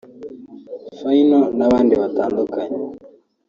Phyno n’abandi batandukanye